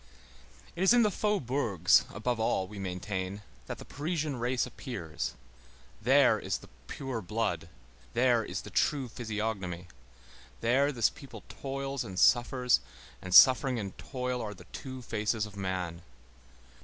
It is in the faubourgs, above all, we maintain, that the Parisian race appears; there is the pure blood; there is the true physiognomy; there this people toils and suffers, and suffering and toil are the two faces of man.